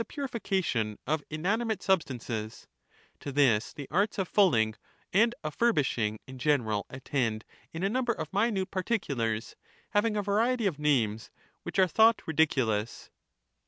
^ and of purification of inanimate substances — to this the arts of bodies in fulling and of'^bi'Wshing in general attend in a number the latter of minute particulars, having a variety of names which are sort has thought ridiculous.